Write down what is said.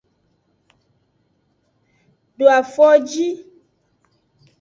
Do afoji.